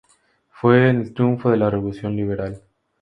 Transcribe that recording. Fue el triunfo de la revolución liberal.